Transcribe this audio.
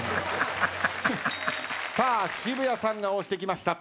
さあ渋谷さんが押してきました。